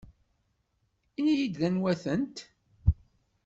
Ini-iyi-d anwa-tent.